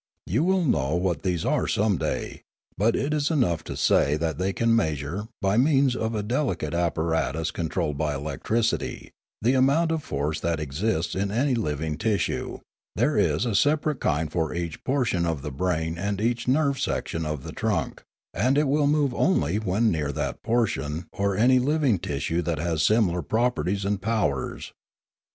You will know what these are some day; but it is enough to say that they can measure, by means of a delicate apparatus controlled by electricity, the amount of force that exists in any living tissue; there is a separate kind for each portion of the brain and each nerve section of the trunk, and it will move only when near that portion or any living tissue that has similar properties and powers.